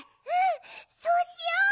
うんそうしよう！